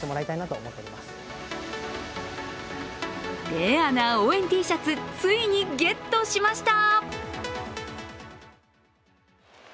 レアな応援Ｔシャツ、ついにゲットしました。